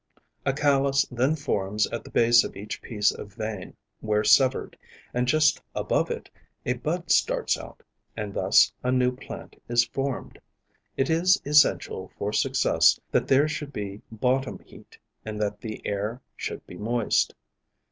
A callus then forms at the base of each piece of vein where severed, and just above it, a bud starts out, and thus a new plant is formed. It is essential for success, that there should be bottom heat, and that the air should be moist.